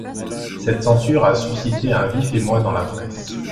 Cette censure a suscité un vif émoi dans la presse.